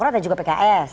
dan juga pks